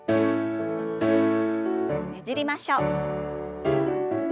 ねじりましょう。